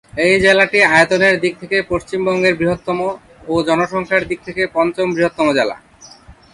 এই জেলাটি আয়তনের দিক থেকে পশ্চিমবঙ্গের বৃহত্তম ও জনসংখ্যার দিক থেকে পঞ্চম বৃহত্তম জেলা।